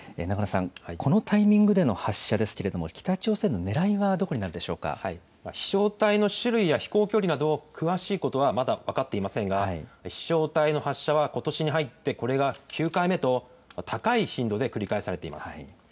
長野さん、このタイミングでの発射ですけれども、北朝鮮のねらい飛しょう体の種類や飛行距離など、詳しいことはまだ分かっていませんが、飛しょう体の発射は、ことしに入ってこれが９回目と、高い頻度で繰り返されています。